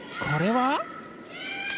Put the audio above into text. これは？